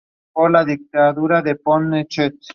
El museo ocupa la esquina suroeste de la mezquita de Al-Aqsa.